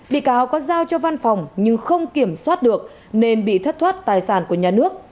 bị cáo có giao cho văn phòng nhưng không kiểm soát được nên bị thất thoát tài sản của nhà nước